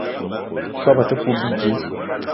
Soobo te poup bidjeu.